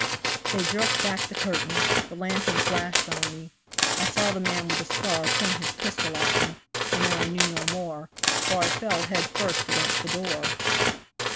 They jerked back the curtain, the lantern flashed on me, I saw the man with the scar point his pistol at me and then I knew no more, for I fell head first against the door.